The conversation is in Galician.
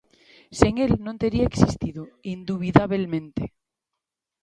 Sen el non tería existido, indubidabelmente.